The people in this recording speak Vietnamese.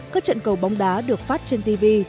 các trận cầu bóng đá được phát trên tv